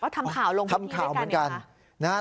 ทำข่าวลงพฤทธิบันดีได้กันเนี่ยมั้ยคะก็ทำข่าวเหมือนกัน